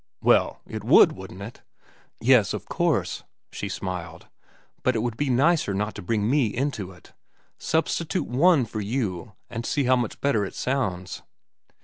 "Well, it would, wouldn't it?" "Yes, of course," she smiled. "But it would be nicer not to bring me into it. Substitute 'one' for 'you' and see how much better it sounds."